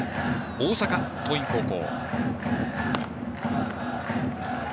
大阪桐蔭高校。